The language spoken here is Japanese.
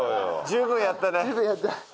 十分やった。